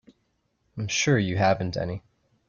I'm sure you haven't any.